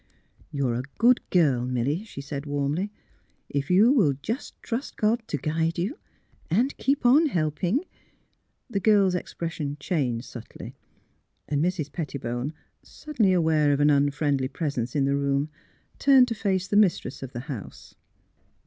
*' You are a good girl, Milly," she said, warmly. *' If you will just trust God to guide you — and keep on helping " The girl's expression changed subtly, and Mrs. Pettibone, suddenly aware of an unfriendly pres ence in the room, turned to face the mistress of the house.